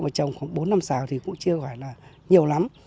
mà trồng khoảng bốn năm xào thì cũng chưa gọi là nhiều lắm